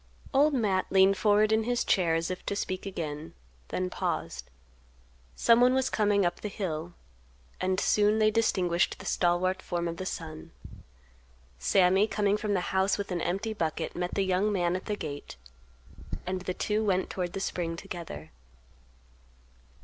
Old Matt leaned forward in his chair as if to speak again; then paused; someone was coming up the hill; and soon they distinguished the stalwart form of the son. Sammy coming from the house with an empty bucket met the young man at the gate, and the two went toward the spring together.